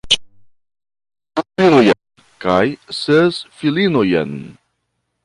Ŝi naskis du filojn kaj ses filinojn.